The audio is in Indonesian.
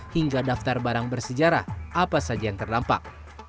hingga daftar barang bersejarah apa saja yang terdampak